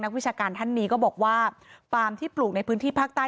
วิชาการท่านนี้ก็บอกว่าปาล์มที่ปลูกในพื้นที่ภาคใต้